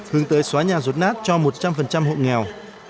hướng tới xóa nhà rốt nát cho một trăm linh hộ nghèo